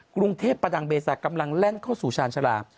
กรุงเทพประดังเบซากำลังแล่นเข้าสู่ชาญชาลา